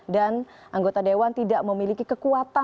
dan anggota dewan tidak memiliki kekuatan